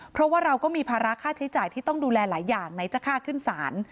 เพราะว่าเราก็มีภาระค่าใช้จ่ายที่ต้องดูแลหลายอย่างไหนจะค่าขึ้นศาล